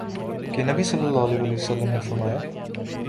کہ نبی صلی اللہ علیہ وسلم نے فرمایا